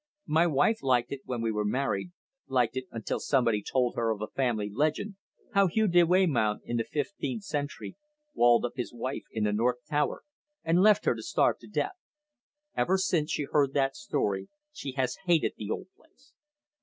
My wife liked it when we were married liked it until somebody told her of a family legend, how Hugh de Weymount, in the fifteenth century, walled up his wife in the north tower and left her to starve to death. Ever since she heard that story she has hated the old place.